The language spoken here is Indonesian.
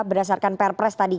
berdasarkan pr press tadi